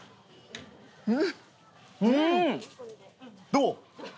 どう？